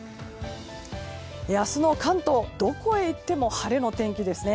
明日の関東、どこへ行っても晴れの天気ですね。